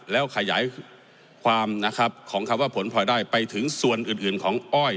แล้วขยายความนะครับของคำว่าผลพลอยได้ไปถึงส่วนอื่นของอ้อย